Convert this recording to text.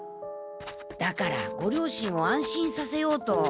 だからご両親を安心させようと。